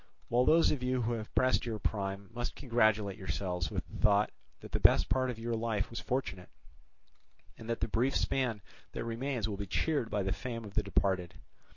While those of you who have passed your prime must congratulate yourselves with the thought that the best part of your life was fortunate, and that the brief span that remains will be cheered by the fame of the departed.